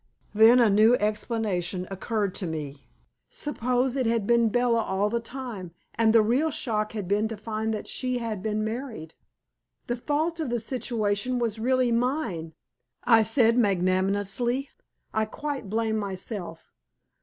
Then a new explanation occurred to me. Suppose it had been Bella all the time, and the real shock had been to find that she had been married! "The fault of the situation was really mine," I said magnanimously; "I quite blame myself.